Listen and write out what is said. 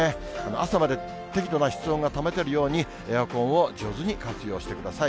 朝まで適度な室温が保てるように、エアコンを上手に活用してください。